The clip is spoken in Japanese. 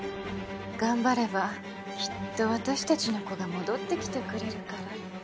頑張ればきっと私たちの子が戻ってきてくれるから。